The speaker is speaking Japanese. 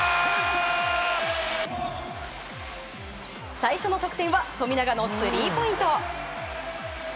最初の得点は富永のスリーポイント。